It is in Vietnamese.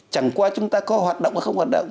chẳng qua chúng ta có hoạt động hay không hoạt động